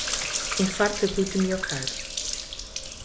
Enfarte Agudo do Miocárdio.